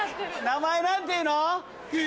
名前何ていうの？